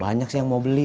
banyak sih yang mau beli